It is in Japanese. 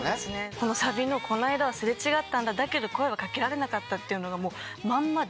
このサビの「この間はすれ違ったんだだけど声は掛けられなかった」っていうのがもうまんまで。